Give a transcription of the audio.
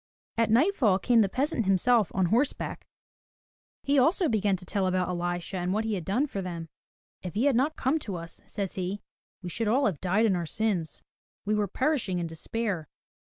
At nightfall came the peasant himself on horseback. He also 169 MY BOOK HOUSE began to tell about Elisha and what he had done for them. *'If he had not come to us/' says he, *'we should all have died in our sins. We were perishing in despair.